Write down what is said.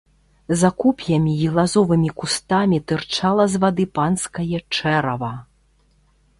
За куп'ямі і лазовымі кустамі тырчала з вады панскае чэрава.